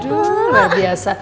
aduh luar biasa